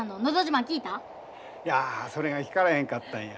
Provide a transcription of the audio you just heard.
いやそれが聞かれへんかったんや。